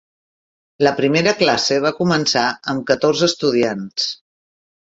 La primera classe va començar amb catorze estudiants.